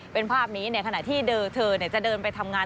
เป็นภาพนี้ในขณะที่เธอจะเดินไปทำงาน